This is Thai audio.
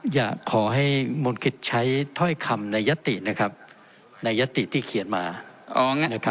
อยากให้มนต์กิจใช้ถ้อยคำในยตินะครับในยติที่เขียนมา